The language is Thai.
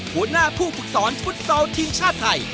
หัวหน้าผู้ฝึกสอนฟุตซอลทีมชาติไทย